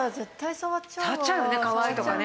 触っちゃうよねかわいいとかね。